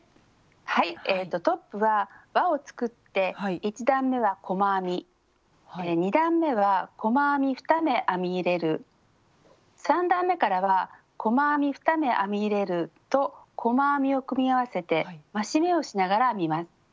はいトップはわを作って１段めは細編み２段めは細編み２目編み入れる３段めからは細編み２目編み入れると細編みを組み合わせて増し目をしながら編みます。